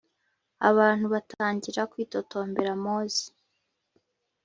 abantu batangira kwitotombera mose